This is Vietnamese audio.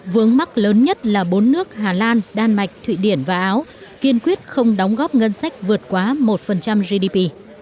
vướng mắt lớn nhất là bốn nước hà lan đan mạch thụy điển và áo kiên quyết không đóng góp ngân sách vượt quá một gdp